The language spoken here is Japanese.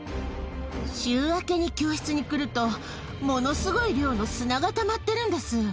週明けに教室に来ると、ものすごい量の砂がたまってるんです。